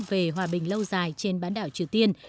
về hòa bình lâu dài trên bán đảo triều tiên